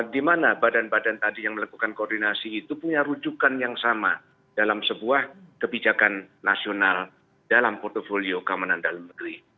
di mana badan badan tadi yang melakukan koordinasi itu punya rujukan yang sama dalam sebuah kebijakan nasional dalam portfolio keamanan dalam negeri